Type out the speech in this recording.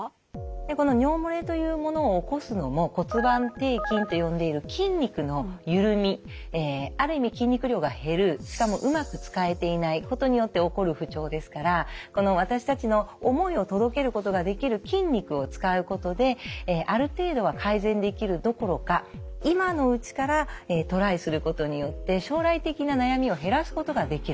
この尿もれというものを起こすのも骨盤底筋と呼んでいる筋肉の緩みある意味筋肉量が減るしかもうまく使えていないことによって起こる不調ですから私たちの思いを届けることができる筋肉を使うことである程度は改善できるどころか今のうちからトライすることによって将来的な悩みを減らすことができる。